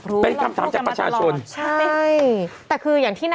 รัฐบาลจะต้องมีเงินก่อนนะ